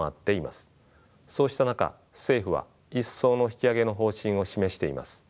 そうした中政府は一層の引き上げの方針を示しています。